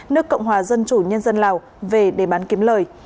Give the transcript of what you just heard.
nước cộng hòa dân chủ nhân dân lào về để bán kiếm lời